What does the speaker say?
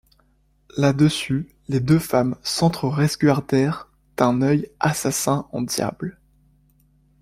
Là-dessus, les deux femmes s’entre-resguardèrent d’ung œil assassin en diable.